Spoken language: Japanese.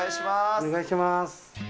お願いします。